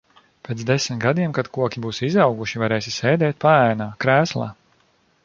Pēc desmit gadiem kad koki būs izauguši, varēsi sēdēt paēnā, krēslā.